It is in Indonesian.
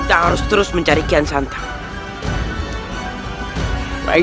pois yang terjenak movimento langit